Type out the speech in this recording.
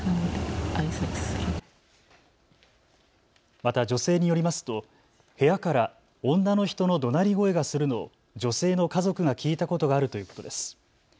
また女性によりますと部屋から女の人のどなり声がするのを女性の家族が聞いたことがあるということです。